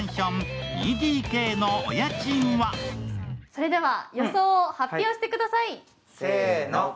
それでは予想を発表してください。